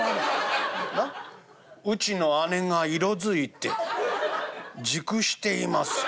『うちの姉が色づいて熟しています。